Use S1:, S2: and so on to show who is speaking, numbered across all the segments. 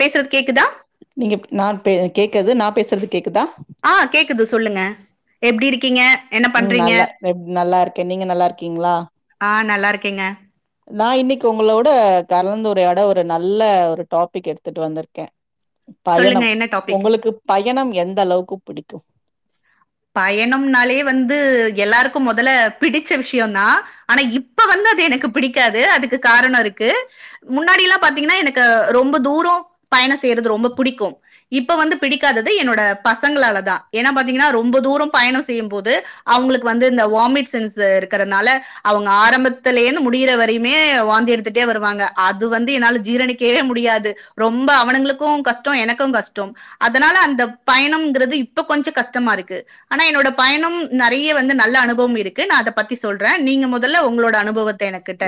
S1: பேசுறது கேக்குதா
S2: நீங்க நான் பே கேக்குறது நான் பேசறது
S1: ஆஹ் கேக்குது சொல்லுங்க எப்டி இருக் எப்டி இருங்கீங்க என்ன
S2: ம்
S1: பண்றீங்க
S2: நல்லா எப் நல்லா இருக்கே நீங்க நல்லா
S1: ஆஹ் நல்லா இருக்கேங்க
S2: நான் இன்னைக்கு உங்களோட கலந்துரையாட ஒரு நல்ல ஒரு டாபிக் எடுத்துட்டு வந்துருக்கேன்
S1: சொல்லுங்க
S2: பயணம்
S1: என்ன டாபிக்
S2: உங்களுக்கு பயணம் எந்த அளவுக்கு புடிக்கும்
S1: பயணம்னாலே வந்து எல்லாருக்கும் முதல்ல பிடிச்ச விஷயம் தான் ஆனா இப்ப வந்து அது எனக்கு புடிக்காது அதுக்கு காரணொ இருக்கு முன்னாடில்லாம் பாத்தீங்கன்னா எனக்கு ரொம்பொ தூரொ பயணம் செய்யறது ரொம்ப புடிக்கும் இப்ப வந்து பிடிக்காதது என்னோட பசங்களாலதான் ஏன்னா பாத்தீங்கன்னா ரொ ரொம்ப தூரம் பயணம் செய்யும் போது அவங்களுக்கு வந்து இந்த வாமிட் சென்ஸ் இருக்கிறதுனால அவங்க ஆரம்ப லயே முடியுற வரையுமே வாந்தி எடுத்துட்டே வருவாங்க அது வந்து என்னால ஜீரணிக்கவே முடியாது ரொம்ப அவனுங்களுக்கும் கஷ்டம் எனக்கும் கஷ்டம் அதனால அந்த பயணம்ங்கிறது இப்ப கொஞ்ச கஷ்டமா இருக்கு ஆனா என்னோட பயணம் நெறைய வந்து நல்ல அனுபவம் இருக்கு நான் அதை பத்தி சொல்றேன் நீங்க முதல்ல உங்களோட அனுபவத்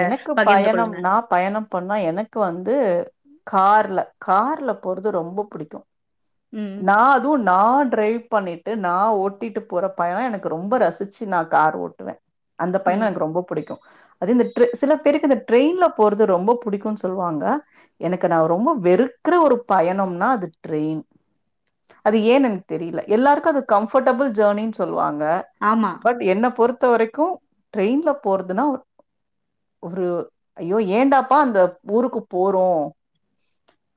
S2: எனக்கு பயணம் நான் பயணம் பண்ணா எனக்கு வந்து கார்ல கார்ல போறது ரொம்ப புடிக்கும்
S1: ம்,
S2: நான் அதுவும் நான் ட்ரைவ் பண்ணிட்டு நான் ஓட்டிட்டு போற பயண எனக்கு ரொம்ப ரசிச்சு நான் கார் ஓட்டுவே அந்த பயணம்
S1: ம்.
S2: எனக்கு ரொம்ப புடிக்கும் அது இந்த ட்ர சில பேருக்கு இந்த ட்ரெயின்ல போறது ரொம்ப பிடிக்கும் சொல்லுவாங்க எனக்கு நான் ரொம்ப வெறுக்குற ஒரு பயணம்னா அது ட்ரெயின் அது ஏன் எனக்கு தெரியல எல்லாருக்கும் அது கம்ஃபர்டபுள் ஜேர்னினு சொல் வாங்க
S1: ஆமா.
S2: பட் என்ன பொறுத்த வரைக்கும் ட்ரெயின்ல போறதுன்னா ஒரு ஐயோ ஏண்டாப்பா அந்த ஊருக்கு போறோ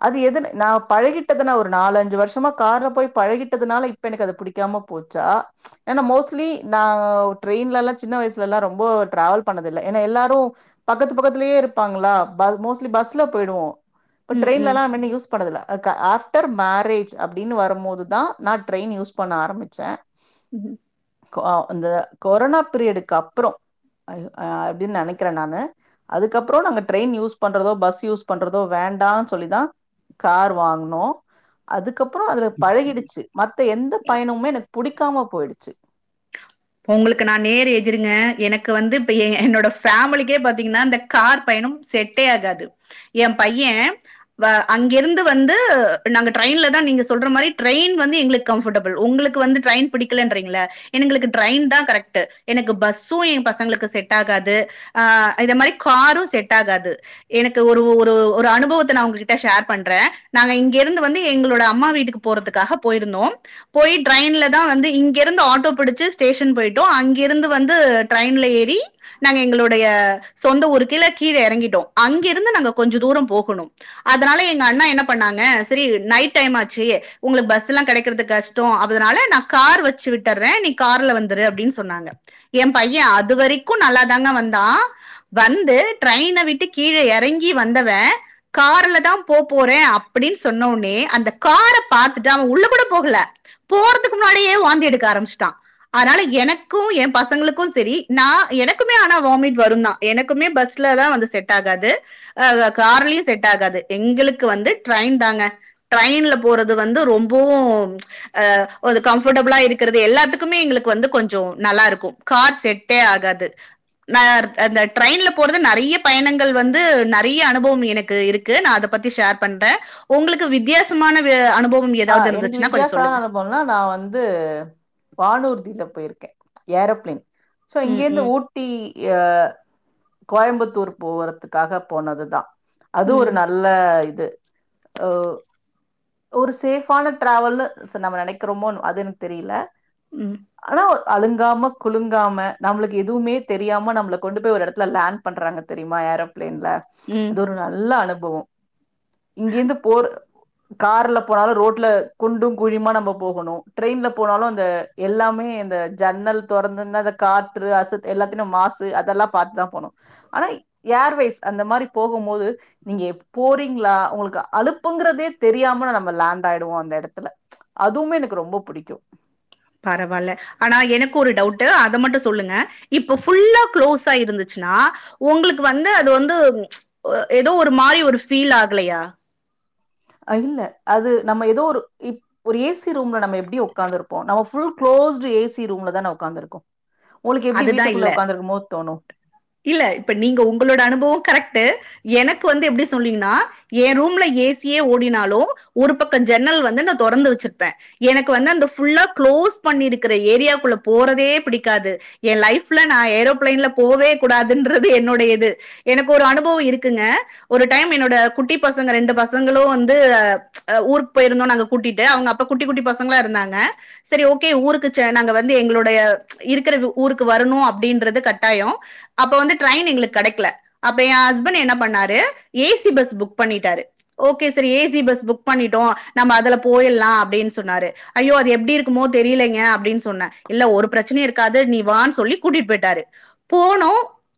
S2: அது எதுன நான் பழகிட்டதுனா ஒரு நாலு அஞ்சு வருஷமா கார்ல போய் பழகிட்டதுனால இப்ப எனக்கு அத பிடிக் காம போச்சா ஏனா மோஸ்ட்லி நா ட்ரெயின்லல்லா சின்ன வயசுல எல்லாம் ரொம்பொ டிராவல் பண்ணதில்ல ஏன்னா எல்லாரும் பக்கத்து பக்கத்துலயே இருப்பாங்களா ப மோஸ்ட்லி பஸ்ல போயிடுவோம் பட்
S1: ம், ம்.
S2: ட்ரெயின்லலா அம்மனி யூஸ் பண்ணதுல்ல அக்கா ஆஃப்டர் மேரேஜ் அப்படின்னு வரும்போதுதா நா ட்ரெயின் யூஸ் பண்ண ஆரம்பிச்சேன்
S1: ம்
S2: கோ இந்த கொரோனா பீரியடுக்கு அப்புறம் அது அ அப்படின்னு நினைக்கிறேன் நானு அதுக்கப்புறம் நாங்க ட்ரெயின் யூஸ் பண்றதோ பஸ் யூஸ் பண்றதோ வேண்டானு சொல்லிதா கார் வாங்குனோம் அது அதுக்கப்புறம் அதுல பழகிடுச்சு மத்த எந்த பயணமுமே எனக்கு பிடிக்காம போயிடுச்சு
S1: ங்களுக்கு நான் நேர் எதிருங்க எனக்கு வந்து இ என்னோட ஃபேமிலிக்கே பாத்தீங்கன்னா இந்த கார் ப யணம் செட்டே ஆகாது என் பையன் வ அங்கிருந்து வந்து நாங்க ட்ரெயின் தான் நீங்க சொல்ற மாதிரி டிரெயின் வந்து எங்களுக்கு கம்ஃபர்டபுல் ஒங்களுக்கு வந்து ட்ரெயின் பிடிக்கலன்றீங்கல்ல எங்களுக்கு ட்ரெயின் தான் கரெக்ட் எனக்கு பஸ்ஸும் என் பசங்களுக்கு செட் ஆகாது அ அத மாரி காரும் செட் ஆகாது எனக்கு ஒரு ஒரு ஒரு அனுபவத்த நா ஒங்ககிட்ட ஷேர் பண்றேன் நாங்க இங்கிருந்து வந்து என் எங்களுடைய அம்மா வீட்டுக்கு போறதுக்காக போயிருந்தோ போய் ட்ரெயின்ல தான் வந்து இங்கிருந்து ஆட்டோ பிடிச்சி ஸ்டேஷன் போயிட்டோ அங்கிருந்து வந்து ட்ரெயின்ல ஏறி நாங்க எங்களுடைய சொந்த ஒரு கீழ கீழ இறங்கிட்டோம் அங்கிருந்து நாங்க கொஞ்ச தூரம் போகணும் அதனால எங்க அண்ணா என்ன பண்ணாங்க ன சரி நைட் டைம் ஆச்சு உங்களுக்கு பஸ்லாம் கிடைக்கறது கஷ்டம் அதனால நா கார் வச்சு விட்டுறேன் நீ கார்ல வந்துரு அப்படின்னு சொன்னாங்க என் பையன் அதுவரைக்கும் நல்லா தாங்க வந்தான் வந்து ட்ரெயின விட்டு கீழே இறங்கி வந்தவன் கார்ல தா போ போறேன் அப்படின்னு சொன்ன ஒ னே அந்த கார பாத்துட்டு அவன் உள்ள கூட போகல போறதுக்கு முன்னாடியே வாந்தி எடுக்க ஆரம்பிச்சுட்டான் அதனால எனக்கும் என் பசங்களுக்கும் செரி நா எனக்குமே ஆனா வாமிட் வரும் தான் எனக்குமே ப பஸ்ல தா வந்து செட் ஆகாது ஹ கார்லயும் செட் ஆகாது எங்களுக்கு வந்து ட்ரெயின் தாங்க ட்ரெயின்ல போறது வந்து ரொம்பவும் அ கம்ஃபர்டபுளா இருக்கிறது எல்லாத்துக்கும் மே எங்களுக்கு வந்து கொஞ்சொ நல்லா இருக்கும் கார் செட்டே ஆகாது ந அந்த ட்ரெயின்ல போறது நிறைய பயணங்கள் வந்து நிறைய அனுபவம் எனக்கு இருக்கு நான் அத பத்தி ஷேர் பண்றேன் உங்களுக்கு வித்தியாசமான வி- அனுபவம்
S2: ஆ
S1: ஏதாவது
S2: எனக்கு
S1: இருந்துச்சுன்னா கொஞ்சம்
S2: வித்தியாசமான
S1: சொல்லுங்க
S2: அனுப்பவம்னா நா வந்து வானூர் வந்து போயிருக்கேன் ஏரோபிளேன் சோ இங்க
S1: ம்
S2: இருந்து
S1: ம்
S2: ஊட்டி ய கோயம்புத்தூர் போகறதுக்காக போனது தான் அது
S1: ம்
S2: ஒரு நல்ல இது அ ஒரு சேஃபான டிராவல்னு சார் நம்ம நினைக்கிறோமோ அது எனக்கு தெரியல
S1: ம்
S2: ஆனா அழுங்காம குழுங்காம நம்மளுக்கு எதுவுமே தெரியாம நம்மள கொண்டு போய் ஒரு இடத்துல லேண்ட் பண்றாங்க தெரியுமா ஏரோ பிளேன்ல
S1: ம்
S2: அது ஒரு நல்ல அனுபவொ இங்கே இருந்து போர் கார்ல போனாலும் ரோட்ல குண்டும் குழியுமா நம்ம போகணும் ட்ரெய்ன்ல போனாலும் அந்த எல்லாமே இந்த ஜன் னல் தொறந்திருந்தா காற்று அசத் எல்லாத்த இந்த மாசு அதெல்லாம் பாத்துதான் போனும் ஆனா ஏர்வே ஸ் அந்த மாரி போகும் போது நீங்க எப் போறீங்களா ஒங்களுக்கு அழுப்புங்கிறதே தெரியாம நம் ம லேண்ட் ஆயிடுவோ அந்த இடத்துல அதுவுமே எனக்கு ரொம்ப பிடிக்கும்
S1: பரவால்ல ஆனா எனக்கு ஒரு டவுட் அத மட்டும் சொல்லுங்க இப்ப ஃபுல்லா க்ளோஸ் ஆகி இருந்துச்சு னா ஒங்களுக்கு வந்து அது வந்து ஏதோ ஒரு மாரி ஒரு ஃபீல் ஆகலயா
S2: இல்ல அது நம்ம ஏதோ ஒரு இ ஒரு ஏசி ரூம்ல நம்ம எப்டி உக்காந்து இருப்போம் நம்ம ஃபுல் களோஸ்டு ஏசி ரூம்ல தான உக்காருக்கக்கோம்
S1: அதுதான் இல்ல
S2: தோணும்?
S1: இல்ல இப்ப நீங்க உங்களோட அனுபவம் கரெக்டு எனக்கு வந்து எப்டி சொல்வீங்கனா என் ரூம்ல ஏசியே ஓடினாலும் ஒரு பக்கம் ஜென்னல் வந்து நா தொறந்து வச்சிருப்பே எனக்கு வந்து அந்த புல்லா குளோஸ் பண்ணி இருக்கிற ஏரியாக்குள்ள போறதே பிடிக்காது என் லைஃப்ல நான் ஏரோப்ளைன்ல போகவே கூடாதுன்றது என்னுடைய இது எனக்கு ஒரு அனுபவம் இருக்குங்க ஒரு டைம் என்னோட குட்டி பசங்க ரெண்டு பசங்களும் வந்து ஊருக்கு போயிருந்தோம் நாங்க கூட்டிட்டு அவங் க அப்ப குட்டி குட்டி பசங்களா இருந்தாங்க சரி ஓகே ஊருக்கு சே நாங்க வந்து எங்களுடைய இருக்கிற ரூம் ஊருக்கு வரணும் அப்டின்றது கட்டாயோ அப்ப வந்து ட்ரைன் எங்களுக்கு கிடைக்கல அப்ப என் ஹஸ்பண்ட் என்ன பண்ணா ரு ஏசி பஸ் புக் பண்ணிட்டாரு ஓகே சரி ஏசி பஸ் புக் பண்ணிட்டோ நம்ம அதுல போயில்லா லா அப்டின்னு சொன்னாரு ஐயோ அது எப்டி இருக்குமோ தெரியலிங்க அப்டின்னு சொன்ன இல்ல ஒரு பிரச்சனையும் இருக்காது நீ வானு சொல்லி கூட்டிட்டு போயிட்டாரு போனோ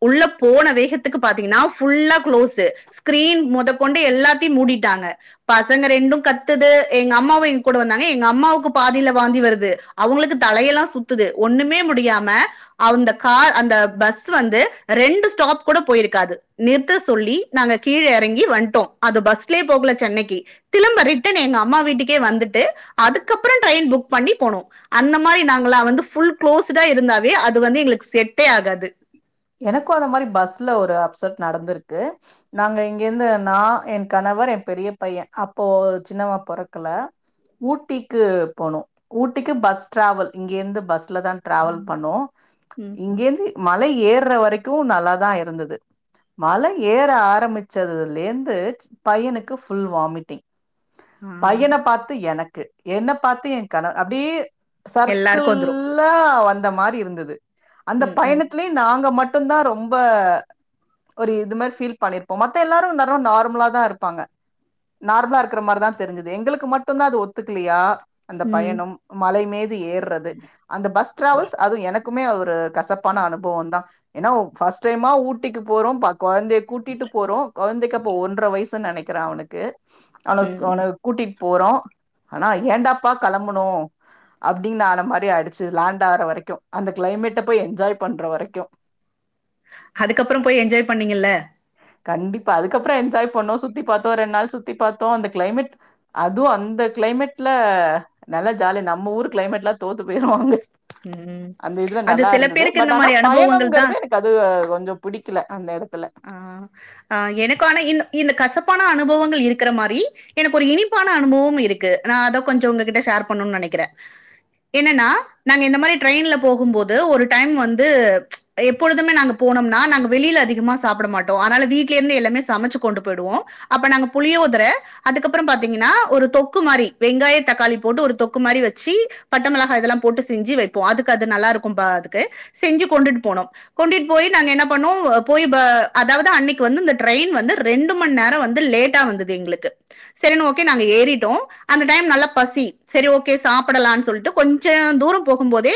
S1: உள்ள போன வேகத்துக்கு பாத்தீங்கன்னா புள்ள குளோஸ் இஸ் ஸ்கிரீன் மொத கொண்டு எல்லாத்தையும் மூடிட்டாங்க பசங்க ரெண்டும் கத்துது எங்க அம்மாவே ர கூட வந்தாங்க எங்க அம்மாவுக்கு பாதியில வாந்தி வருது அவங்களுக்கு தலையெல்லா சுத்துது ஒண்ணுமே முடியாம அவந்த கார் அந்த பஸ் வந்து ரெண்டு ஸ்டாப் கூட போயிருக்காது நிறுத்த சொல்லி நாங்க கீழே இறங்கி வன்டோ அது பஸ்லே போகல சென்னைக்கு திரும்ப ரிட்டன் எங்க அம்மா வீட்டுக்கே வந்துட் ட்டு அதுக்கப்புறம் ட்ரெயின் புக் பண்ணி போனோ அந்த மாதிரி நாங்களா வந்து புள் குளோஸ்டா இருந்தா வே அது வந்து எங்களுக்கு செட்
S2: எனக்கும் அந்த மாரி பஸ்ல ஒரு அப்செட் நடந்திருக்கு நாங்க இங்கிருந்து நா என் கணவர் என் பெரிய பையன் அப்போ சின்னவ பொறக்கல ஊட்டிக்கு போனோ ஊட்டிக்கு பஸ் டிரவல் இங்கிருந்து பஸ்ல தான் டிராவல் பண்ணோ
S1: ம்.
S2: இங்கேந்து மலை ஏறுற வரைக்கும் நல்லாதான் இருந்தது மலை ஏற ஆரம்பிச்சதுலேந்து பையனுக்கு புல் வாமிட்டிங்
S1: ஆ,
S2: பையன பாத்து எனக்கு என்ன பாத்து என் கணவ அப்டியே
S1: எல்லாருக்கும் வந்துரும்
S2: சர்க்கல்லா வந்த மாரி இருந்தது அந்த
S1: ம், ம்,
S2: பயணத் நாங்க மட்டுந்தா ரொம்ப ஹ ஒரு இது மாரி ஃபீல் பண்ணிருப்போ மத்த எல்லாரு நேரம் நார்மலாத்தா இருப்பாங்க நார்மலா இருக்கிற மாரிதா தெரிஞ்சது எங்களுக்கு மட்டும்தான் அது ஒத்துக்கலையா அந்த
S1: ம்.
S2: பயணம் மலைமேது ஏற்றது அந்த பஸ் ட்ராவெல்ஸ் அதுவு எனக் குமே ஒரு கசப்பான அனுபவம் தா ஏன்னா ஃபஸ்டு டைமா ஊட்டிக்கு போறோ பக் கொழந்தையாய கூட்டிட்டு போறோ கொழந்தைக்கு அப்ப ஒன்ற வயசுன்னு நெனைக்கிற அவனுக்கு அவனக்கு
S1: ம், ம்.
S2: அவன கூட்டிட் போறோ ஆனா ஏண்டாப்பா கிளம்புனோ அப்டின்னு ஆன மாரி ஆயிடுச்சு லேண்ட் ஆற வரைக்கும் அந்த கிளைமேட்ட போய் என்ஜாய் பண்றவரைக்கு
S1: அதுக்கப்பறோ போய் என்ஜாய் பண்ணீங்கல்ல
S2: கண்டிப்பா அதுக்கப்பறம் என்ஜாய் பண்ணோ சுத்தி பார்த்தோ ரெண்டு நாள் சுத்தி பார்த்தோ அந்த கிளைமேட் அதுவும் அந்த கிளைமேட்ல நல்லா ஜாலியா நம்ம ஊரு கிளைமேட் எல்லா தோத்து போயிரும் அங்க
S1: ம்.
S2: அந்த இதுல
S1: அது
S2: நல்லா
S1: சில
S2: இருந்தது
S1: பேருக்கு
S2: பட்
S1: இந்த
S2: ஆனா
S1: மாதிரி அனுபவங்கள் தான்
S2: பயணங்கிறது எனக்கு அது அது கொஞ்சம் புடிக்கல அந்த இடத்து
S1: ஆஹ எனக்கு ஆனா இந்த இந்த கசப் பான அனுபவங்கள் இருக்கிற மாரி எனக்கு ஒரு இனிப்பான அனுபவம் இருக்கு நான் அத கொஞ்சம் உங்ககிட்ட ஷேர் பண்ணனு நெனைக் கிறே என்னன்னா நாங்க இந்த மாரி ட்ரெயின்ல போகும்போது ஒரு டைம் வந்து ம்ச் எப்பொழுதுமே நாங்க போ போனோம்னா நாங்க வெளியில அதிகமாக சாப்பிட மாட்டோ ஆனால வீட்டிலேந்து எல்லாமே சமைச்சு கொண்டு போயிடுவோம் அப்ப நாங்க புளியோதர அதுக்கப்புறம் பாத்தீங்கன் னா ஒரு தொக்கு மாரி வெங்காய தக்காளி போட்டு ஒரு தொக்கு மாதிரி வச்சு பட்டைமிளகா இதெல்லா போட்டு செஞ்சு வைப்போ அதுக்கு அது நல்லா இருக்கும்பா அதுக்கு செஞ்சு கொண்டுட்டு போனோம் கொண்டுட்டு போய் நாங்க என்ன பண்ணோம் போயிப் ப்ப அதாவது அன்னைக்கு வந்து இந்த ட்ரெயின் வந்து ரெண்டு மண் நேரம் வந்து லேட்டா வந்தது எங்ளுக்கு சரின்னு ஓகே நாங்க ஏறிட்டோ அந்த டைம் நல்லா பசி சரி ஓகே சாப்பிடலாம்னு சொல்லிட்டு கொஞ்சம் தூரம் போகும் போதே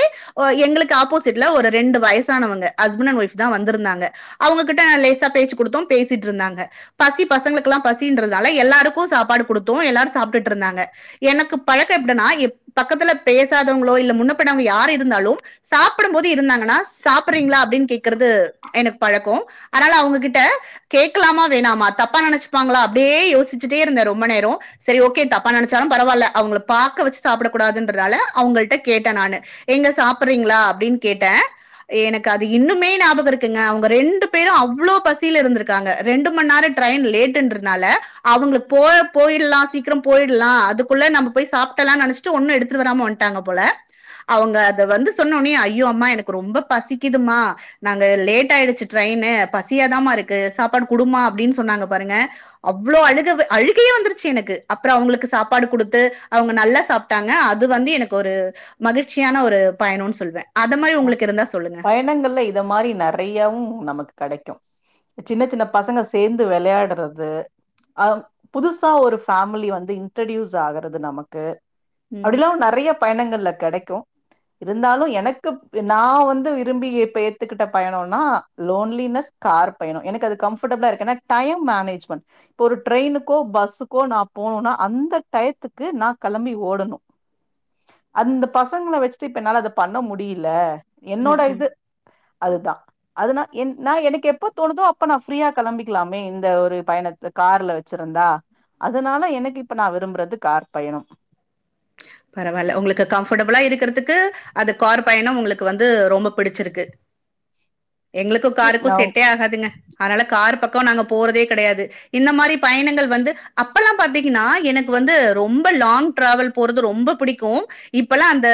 S1: எங்களுக்கு ஆப்போசிட்ல ஒரு ரெண்டு வயசானவங்க ஹஸ்பண்ட் அண்ட் ஒய்ப் தான் வந்திருந்தாங்க அவங்ககிட்ட லேசா பேச்சு கொடுத்தோ பேசிட்டு இருந்தாங்க பசி பசங்களுக்கெல்லா பசின்ரதுனால எல்லாருக்கு சாப்பாடு டு குடுத்தோ எல்லாரு சாப்ட்டுட்ருந்தாங்க எனக்கு பழக்கொ எப்டினா ஏ பக்கத்துல பேசாதவங்களோ இல்ல முன்னப் பின்னவங்க யார் இருந்தாலு சாப்டம் போது இருந்தாங்கன்னா சாப்புர்றீங்ளா அப்டின் கேக்கறது எனக் பழக்கொ அனால அவுங்கக்கிட்ட கேக்லாமா வேணாமா தப்பா நெனச்சிப்பாங்களா அப்டியே யோசிச்சிட்டே இருந்த ரொம்ப நேரொ செரி ஓகே தப்பா நெனச்சாலும் பரவால்ல அவுங்கள பாக்க வெச்சி சாப்டகெ கூடாதுன்றனால அவுங்கள்ட்ட கே ட்ட நானு ஏங்க சாப்புர்றீங்ளா அப்டின் கேட்ட எனக்கு அது இன்னுமே ஞாபகொ இருக்குங்க அவ்ங்க ரெண்டு பேரு அவ்ளோ பசியில இருந்த்ருக்காங்க ரெண்டு மண் நேரொ ட்ரயின் லேட்டுன்றதுனால அவுங்களுக் போ அ போயர்லா சீக்கிரம் போயிட்லா அதுக்குள்ள நம்ப போய் சாப்ட்டல்லான் நெனச்சிட்டு ஒண்ணு எடுத்துட் வராம வன்ட்டாங்க போல அவுங்க அத வந்து சொன்ன ஒன்னே ஐயோ அம்மா எனக்கு ரொம்ப பசிக்கிது ம்மா நாங்க லேட் ஆயிடிச்சி ட்ரய்னு பசியாதாம்மா இருக்கு சாப்பாடு குடுமா அப்டின் சொன்னாங்க பாருங்க அவ்ளோ அழுக வ அழுகையே வந்த்ருச்சி எனக்கு அப்பறொ அவ்ங்களுக்கு சாப்பாடு குடுத்து அவ்ங்க நல்லா சாப்ட்டாங்க அது வந்து எனக்கு ஒரு ம மகிழ்ச்சியான ஒரு பயணோன் சொல்வ
S2: பயணங்கள்ல இத மாரி நெறயாவு நமக்கு கடைக்கு சின்னச் சின்ன பசங்க சேந்து வெளையாட்றது அப் புதுசா ஒரு ஃபேமிலி வந்து இன்ட்ரொட்யூஸ் ஆகறது நமக்கு
S1: ம்
S2: அப்டிலா நறைய பயணங்கள்ல கெடைக்கு இருந்தாலு எனக்குப் நா வந்து விரும்பி இப்ப ஏத்துக்குட்ட பயணோனா லோன்லினஸ் கார் பயணொ எனக்கு அது கம்ஃபட் டபுளா இருக்கு எனா டயம் மேனேஜ்மெண் இப்ப ஒரு ட்ரய்னுக்கோ பஸ்ஸுக்கோ நா போணோனா அந்த டயத்துக் கு நா களம்பி ஓடணு அந்த பசங்கள வெச்சிட்டு இப்ப என்னால அத பண்ண முடியி ல என்னோட
S1: ம் ம்
S2: இது அதுதா அதுனா என் நா எனக்கு எப்போ தோணுதோ அப்ப நா ஃப்ரீயா களம்பிக்லாமே இந்த ஒரு பயணத்த கார்ல வெச்சிர் ருந்தா அதனால எனக்கு இப்ப நா விரும்புறது கார் பயணம்
S1: பரவால்ல உங்களுக்கு கம்ஃபடபுளா இருக்கறத்துக்கு அது கார் பயணம் உங்களுக்கு வந்து ரொம்ப புடிச்சிருக்கு
S2: [inaudible] [unintelligible]
S1: எங்களுக்கு காருக்கு
S2: நா
S1: செட்டே ஆகாதுங்க அத்னால கார் பக் கொ நாங்க போறதே கெடையாது இந்த மாரி பயணங்கள் வந்து அப்பல்லா பாத்தீங்கன்னா எனக்கு வந்து ரொம்ப லாங் ட்ராவல் போ றது ரொம்ப புடிக்கு இப்பல்லா அந்த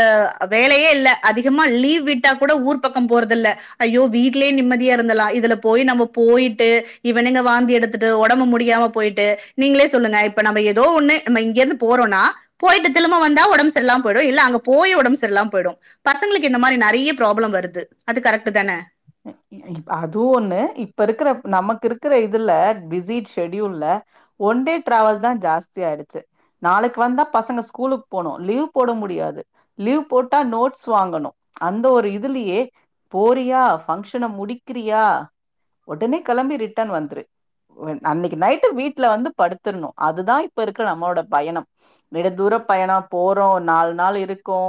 S1: வேலையே இல்ல அதிகமா லீவ் விட்டாக் கூட ஊர் பக்கம் போ போறதில்ல ஐயோ வீட்லயே நிம்மதியா இருந்தல்லா இதுல போய் நம்ம போயிட்டு இவனுங்க வாந்தி எடுத்துட்டு ஒடம்பு முடியாம போய்ட்டு நீங்களே சொல்லுங்க இப்ப நம்ம எதோ ஒன்னு நம்ம இங்கேர்ந்து போறோன்னா பொய்ட்டு திலும்ப வந்தா ஒடம்பு சரில்லாம போய்டு இல்ல அங்க போயி ஒடம்பு சரில்லாம போய்டு பசங்களுக்கு இந்த மாரி நறைய ப்ராப்ளம் வருது அது கரெக்ட்டு தான
S2: அ இப்ப அதுவு ஒண்ணு இப்ப இருக்குற நமக்கு இருக்குற இதுல பிஸி ஷெட்யூல்ல ஒ ண்டே ட்ராவல் தா ஜாஸ்தியாய்டுச்சி நாளக்கு வந்தா பசங்க ஸ்கூலுக் போனு லீவ் போட முடியாது லீவ் போட்டா நோட்ஸ் வாங்கணு அந்த ஒரு இதுலியே போறியா பஃங்க்ஷன முடிக்கிறியா ஒடனே கெளம்பி ரிட்டன் வந்த்ரு வென் அன்னக்கி நைட்டு வீட்ல வந்து படுத்துர்ணு அதுதா இப்ப இருக்ற நம்மளோட பயணம் நெடு தூரம் பயணப் போறோ நால் நாள் இருக்கோ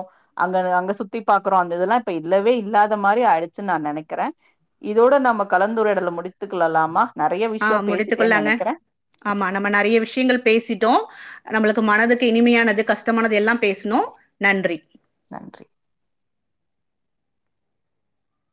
S2: அங்க ன அங்க சுத்தி பாக்குறோ அந்த இதுல்லா இப்ப இல்லவே இல்லா த மாரி ஆயிடுச்சு நா நெனக்கிற இதோட நம்ம கலந்துரையாடல முடித்துக் கொள்ளலாமா நெறைய
S1: ஆ
S2: விஷயம்
S1: முடித்துக்
S2: பேசிட்டேன்னு
S1: கொள்ளாங்க
S2: நெனைக்கிறேன்.
S1: ஆமா நம்ம நறைய விஷயங்கள் பேசிட்டோ நம்மளுக்கு மனதுக்கு இனிமையானது கஸ்டமானது எல்லாம் பேஸ்ணோ நன்றி
S2: நன்றி